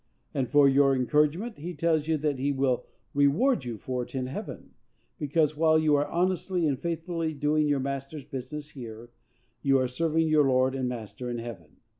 And for your encouragement he tells you that he will reward you for it in heaven; because, while you are honestly and faithfully doing your master's business here, you are serving your Lord and Master in heaven.